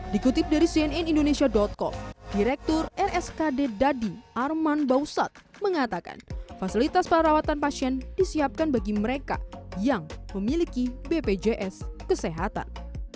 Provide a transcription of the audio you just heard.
dikutip dari cnn indonesia com direktur rskd dadi arman bausat mengatakan fasilitas perawatan pasien disiapkan bagi mereka yang memiliki bpjs kesehatan